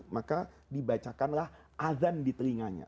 maka dibacakanlah azan di telinganya